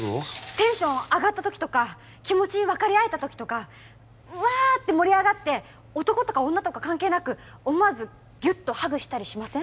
テンション上がったときとか気持ち分かり合えたときとかうわって盛り上がって男とか女とか関係なく思わずギュッとハグしたりしません？